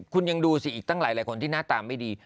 คุณยังดูสิอีกตั้งหลายคนที่หน้าตาไม่ดี